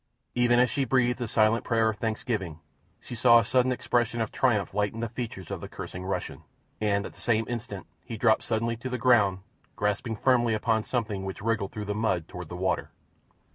Even as she breathed a silent prayer of thanksgiving, she saw a sudden expression of triumph lighten the features of the cursing Russian, and at the same instant he dropped suddenly to the ground, grasping firmly upon something which wriggled through the mud toward the water.